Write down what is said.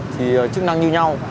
thì chức năng như nhau